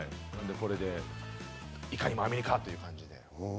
いかにもアメリカという感じです。